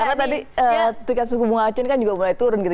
karena tadi tiket suku bunga acun kan juga mulai turun gitu